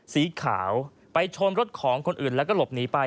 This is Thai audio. สีขาวไปชนรถของคนอื่นแล้วก็หลบหนีไป